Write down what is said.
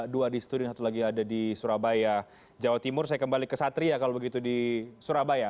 dua di studio satu lagi ada di surabaya jawa timur saya kembali ke satria kalau begitu di surabaya